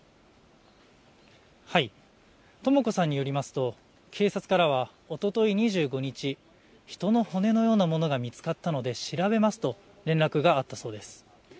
とも子さんによりますと警察からはおととい２５日、人の骨のようなものが見つかったので調べますと連絡があったそうです。